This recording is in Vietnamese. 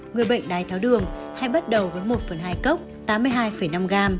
người bệnh đái tháo đường hãy bắt đầu với một phần hai cốc tám mươi hai năm g